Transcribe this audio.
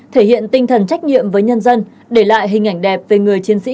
thể hiện tinh thần trách nhiệm với nhân dân để lại hình ảnh đẹp về người chiến sĩ